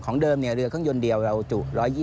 เดิมเรือเครื่องยนต์เดียวเราจุ๑๒๐